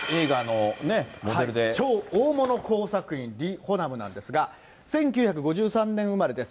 さあ、超大物工作員、リ・ホナムなんですが、１９５３年生まれです。